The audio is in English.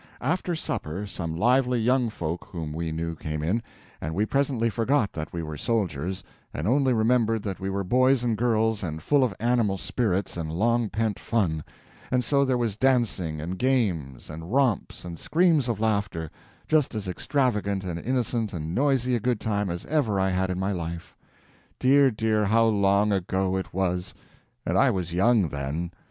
After supper some lively young folk whom we knew came in, and we presently forgot that we were soldiers, and only remembered that we were boys and girls and full of animal spirits and long pent fun; and so there was dancing, and games, and romps, and screams of laughter—just as extravagant and innocent and noisy a good time as ever I had in my life. Dear, dear, how long ago it was!—and I was young then.